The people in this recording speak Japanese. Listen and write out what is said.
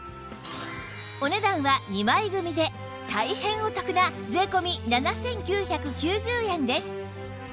お値段は２枚組で大変お得な税込７９９０円です